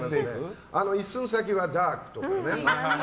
一寸先はダークとかね。